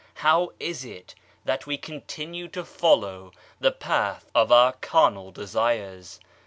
How is it that we continue to follow the path of our carnal desires?